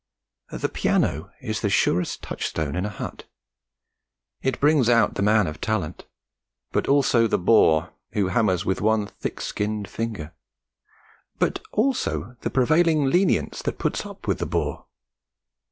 The piano is the surest touchstone in a hut. It brings out the man of talent but also the bore who hammers with one thick skinned finger but also the prevailing lenience that puts up with the bore.